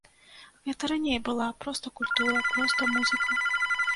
Гэта раней была проста культура, проста музыка.